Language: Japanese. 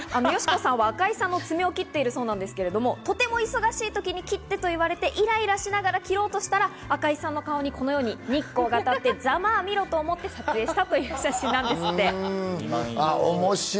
普段から佳子さんは赤井さんの爪を切っているそうなんですけれども、とても忙しい時に切ってと言われて、イライラしながら切ろうとしたら赤井さんの顔に日光が当たってざまあみろと思って撮影した写真なんです。